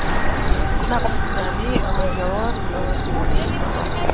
ნაყოფის წვნიანი მომჟავო რბილობი იჭმევა.